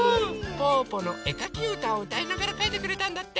「ぽぅぽのえかきうた」をうたいながらかいてくれたんだって。